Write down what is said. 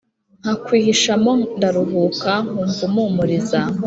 Nkakwihishamo, Ndaruhuka, Nkumv’ umpumuriza